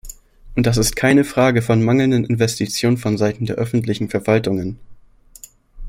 Und das ist keine Frage von mangelnden Investitionen vonseiten der öffentlichen Verwaltungen.